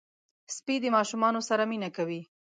سپي د ماشومانو سره مینه کوي.